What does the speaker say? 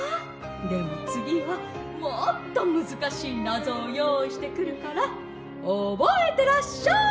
でもつぎはもっとむずかしいナゾをよういしてくるからおぼえてらっしゃい！